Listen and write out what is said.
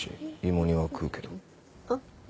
芋煮は食うけど。